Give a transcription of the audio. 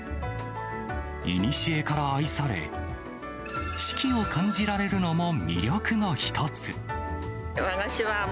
いにしえから愛され、四季を感じられるのも魅力の一つ。